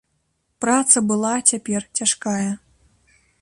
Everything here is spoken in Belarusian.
Праца была цяпер цяжкая.